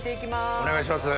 お願いします。